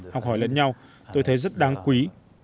học hỏi lẫn nhau tôi thấy rất đáng quý